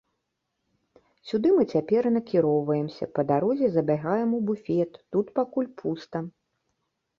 Сюды мы цяпер і накіроўваемся, па дарозе забягаем у буфет, тут пакуль пуста.